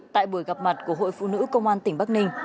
tại buổi gặp mặt của hội phụ nữ công an tỉnh bắc ninh